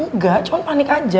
engga cuma panik aja